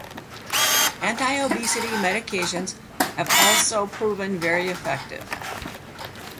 Anti-obesity medications have also proven very effective.